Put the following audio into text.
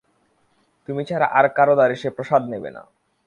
তুমি ছাড়া আর-কারো দ্বারে সে প্রসাদ নেবে না।